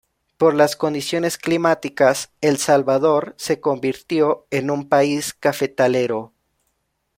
Por las condiciones climáticas, El Salvador se convirtió en un país cafetalero.